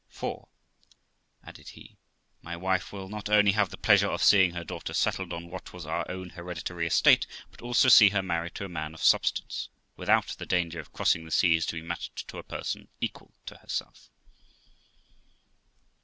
'For', added he, 'my wife will not only have the pleasure of seeing her daughter settled on what was our own hereditary estate, but also see her married to a man of substance, without the danger of crossing the seas to be matched to a person equal to herself.'